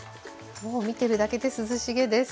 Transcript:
もう見てるだけで涼しげです。